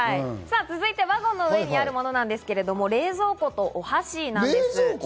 続いてワゴンの上にあるものなんですが、冷蔵庫とお箸です。